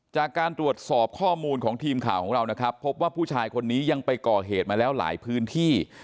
จากการตรวจสอบข้อมูลของทีมข่าวของเรานะครับพบว่าผู้ชายคนนี้ยังไปก่อเหตุมาแล้วหลายพื้นที่